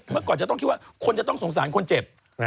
เมื่อก่อนจะต้องคิดว่าคนจะต้องสงสารคนเจ็บ